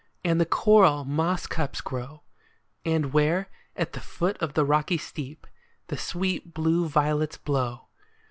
And the coral moss cups grow, And where, at the foot of the rocky steep, The sweet blue violets blow.